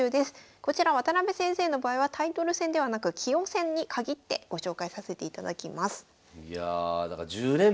こちら渡辺先生の場合はタイトル戦ではなく棋王戦に限ってご紹介させていただきます。